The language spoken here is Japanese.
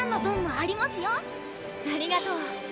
ありがとう。